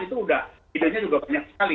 itu udah idenya juga banyak sekali